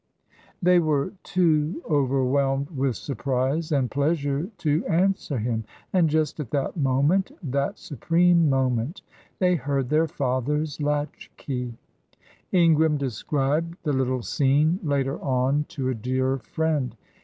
They were too overwhelmed with surprise and pleasure to answer him; and just at that moment that supreme moment they heard their father's latch key. Ingram described the little scene later on to a dear friend.